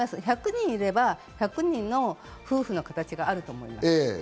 １００人いれば１００人の夫婦の形があると思います。